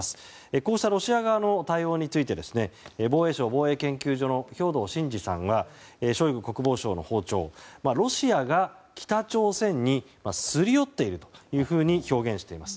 こうしたロシア側の対応について防衛省防衛研究所の兵頭慎治さんがショイグ国防相の訪朝ロシアが北朝鮮にすり寄っているというふうに表現しています。